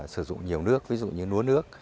sử dụng nhiều nước ví dụ như núa nước